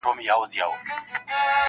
نیژدې لیري یې وړې پارچې پرتې وي -